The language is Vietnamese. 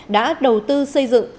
đã đầu tư xây dựng